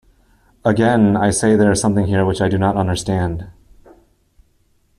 Again I say there is something here which I do not understand.